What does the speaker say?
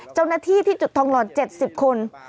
เจ้าหน้าที่ที่จุดทองหลอด๗๐คน